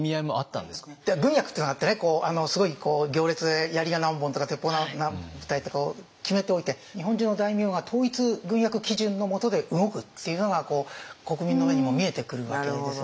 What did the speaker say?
軍役っていうのがあってねすごい行列でやりが何本とか鉄砲が何部隊とかを決めておいて日本中の大名が統一軍役基準のもとで動くっていうのが国民の目にも見えてくるわけですよね。